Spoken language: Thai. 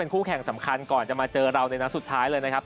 คู่แข่งสำคัญก่อนจะมาเจอเราในนัดสุดท้ายเลยนะครับ